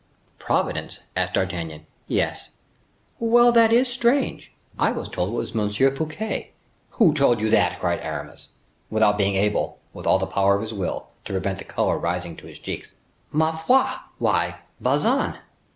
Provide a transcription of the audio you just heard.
"Providence?" asked D'Artagnan. "Yes." "Well, that is strange! I was told it was M. Fouquet." "Who told you that?" cried Aramis, without being able, with all the power of his will, to prevent the color rising to his cheeks. "Ma foi! why, Bazin!"